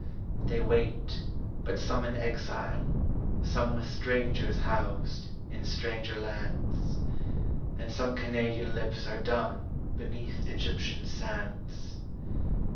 They wait; but some in exile, someWith strangers housed, in stranger lands; And some Canadian lips are dumbBeneath Egyptian sands.